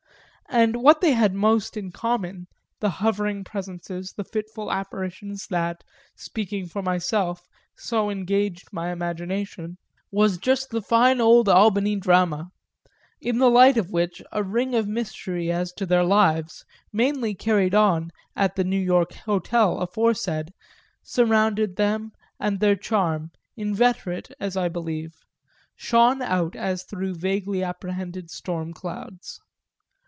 And what they had most in common, the hovering presences, the fitful apparitions that, speaking for myself, so engaged my imagination, was just the fine old Albany drama in the light of which a ring of mystery as to their lives (mainly carried on at the New York Hotel aforesaid) surrounded them, and their charm, inveterate, as I believed, shone out as through vaguely apprehended storm clouds.